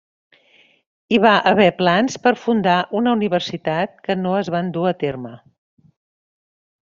Hi va haver plans per fundar una universitat que no es van dur a terme.